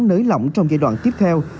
nới lỏng trong giai đoạn tiếp theo